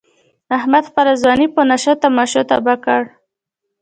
احمد خپله ځواني په نشو تماشو تباه کړ.